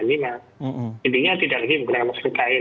intinya tidak lagi menggunakan masker kain